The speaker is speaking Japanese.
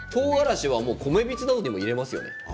米びつなどにも入れますよね。